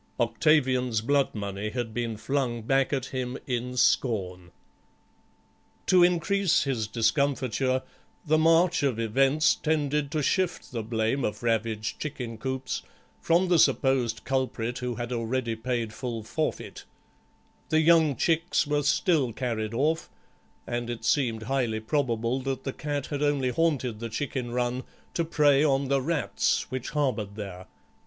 Octavian's bloodmoney had been flung back at him in scorn. To increase his discomfiture the march of events tended to shift the blame of ravaged chicken coops from the supposed culprit who had already paid full forfeit; the young chicks were still carried off, and it seemed highly probable that the cat had only haunted the chicken run to prey on the rats which harboured there.